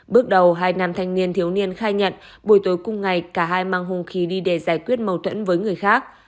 bước đầu hai nam thanh niên thiếu niên khai nhận buổi tối cùng ngày cả hai mang hung khí đi để giải quyết mâu thuẫn với người khác